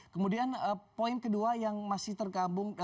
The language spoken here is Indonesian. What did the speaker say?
kemudian poin kedua yang masih tergabung